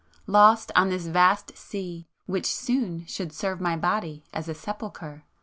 Lost on this vast sea which soon should serve my body as a sepulchre